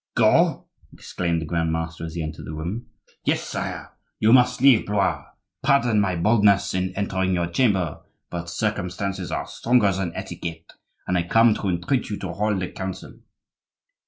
"Go!" exclaimed the grand master as he entered the room. "Yes, sire, you must leave Blois. Pardon my boldness in entering your chamber; but circumstances are stronger than etiquette, and I come to entreat you to hold a council."